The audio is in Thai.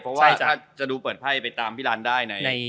เพราะถ้าจะดูเปิดไพ่ตามพี่ร้านได้